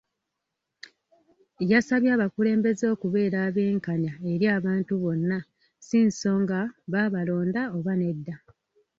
Yasabye abakulembeze okubeera abenkanya eri abantu bonna si nsonga baabalonda oba nedda.